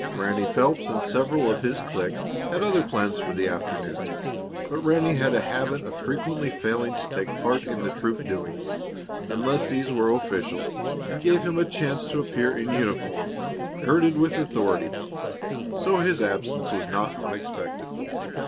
Ranny Phelps and several of his clique had other plans for the afternoon, but Ranny had a habit of frequently failing to take part in the troop doings, unless these were official and gave him a chance to appear in uniform, girded with authority, so his absence was not unexpected.